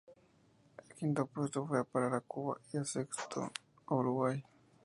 El quinto puesto fue a parar a Cuba y el sexto a Uruguay.